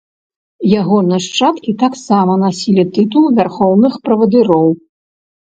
Яго нашчадкі таксама насілі тытул вярхоўных правадыроў.